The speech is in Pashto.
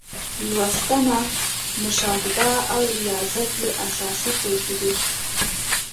لوستنه، مشاهده او ریاضت یې اساسي توکي دي.